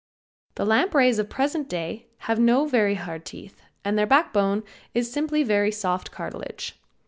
The lampreys of the present day have no very hard teeth and their backbone is simply very soft cartilage.